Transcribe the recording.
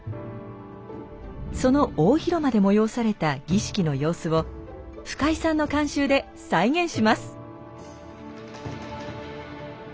その大広間で催された儀式の様子を深井さんの監修で再現します。